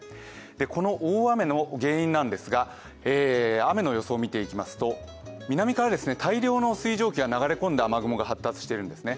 この大雨の原因なんですが雨の予想を見ていきますと南から大量の水蒸気が流れ込んで雨雲が発達しているんですね。